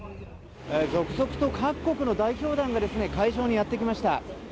続々と各国の代表団が会場にやってきました。